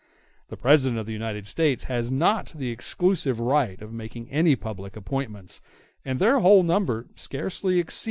The President of the United States has not the exclusive right of making any public appointments, and their whole number scarcely exceeds 12,000.